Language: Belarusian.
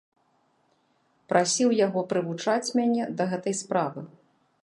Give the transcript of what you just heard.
Прасіў яго прывучаць мяне да гэтай справы.